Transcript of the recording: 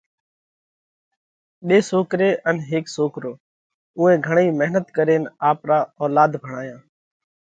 ٻي سوڪري ان هيڪ سوڪرو۔ اُوئي گھڻئِي مينت ڪرينَ آپرا اولاڌ ڀڻايا۔